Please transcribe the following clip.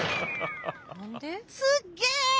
すっげえ！